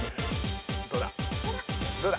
どうだ？